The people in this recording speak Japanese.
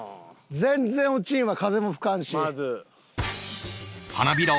全然落ちんわ風も吹かんし。